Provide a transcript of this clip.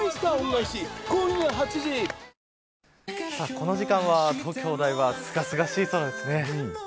この時間は、東京、お台場すがすがしい空ですね。